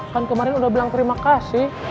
kan kemarin udah bilang terima kasih